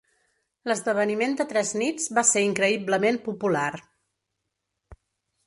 L'esdeveniment de tres nits va ser increïblement popular.